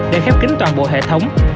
để khép kính toàn bộ hệ thống